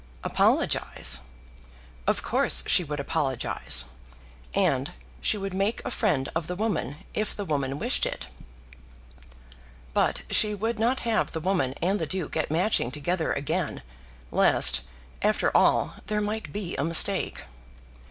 Apologise! Of course she would apologise. And she would make a friend of the woman if the woman wished it. But she would not have the woman and the Duke at Matching together again, lest, after all, there might be a mistake.